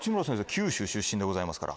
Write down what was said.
九州出身でございますから。